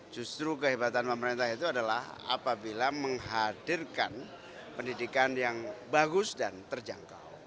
justru kehebatan pemerintah itu adalah apabila menghadirkan pendidikan yang bagus dan terjangkau